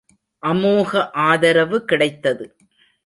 அமோக ஆதரவு கிடைத்தது.